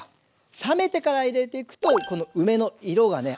冷めてから入れていくとこの梅の色がね